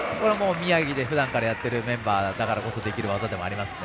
宮城でふだんからやってるメンバーだからこそできる技ですね。